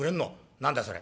「何だいそれ」。